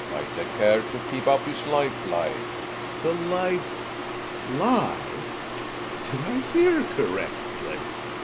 I take care to keep up his life lie. / Gregers. The life — lie ? Did I hear correctly